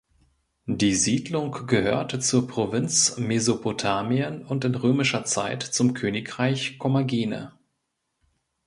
Die Siedlung gehörte zur Provinz Mesopotamien und in römischer Zeit zum Königreich Kommagene.